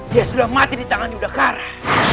dia sudah mati di tangan yudhakara